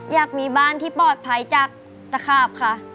อยากมีบ้านที่ปลอดภัยจากตะขาบค่ะ